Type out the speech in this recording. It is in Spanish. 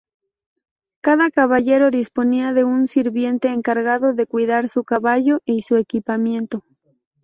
Cada caballero disponía de un sirviente encargado de cuidar su caballo y su equipamiento.